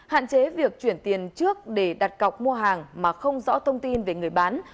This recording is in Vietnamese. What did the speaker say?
hạn chế việc chuyển tiền trước để đặt cọc mua hàng mà không rõ thông tin về người bán